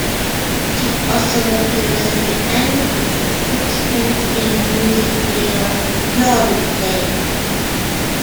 She also appears at the end of the Bruce Springsteen music video "Glory Days".